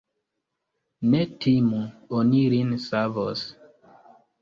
Ne timu; oni lin savos.